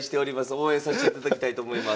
応援さしていただきたいと思います。